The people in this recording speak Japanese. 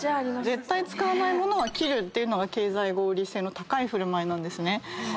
絶対使わない物は切るっていうのが経済合理性の高い振る舞いなんですね。